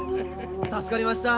助かりました。